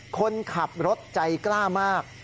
คนขับรถใจกล้ามาก